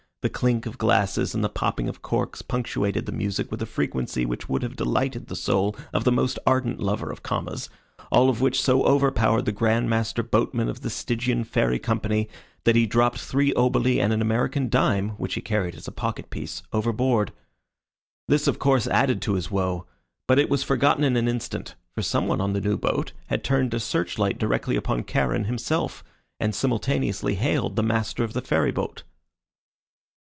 The clink of glasses and the popping of corks punctuated the music with a frequency which would have delighted the soul of the most ardent lover of commas, all of which so overpowered the grand master boatman of the Stygian Ferry Company that he dropped three oboli and an American dime, which he carried as a pocket piece, overboard. This, of course, added to his woe; but it was forgotten in an instant, for some one on the new boat had turned a search light directly upon Charon himself, and simultaneously hailed the master of the ferry boat.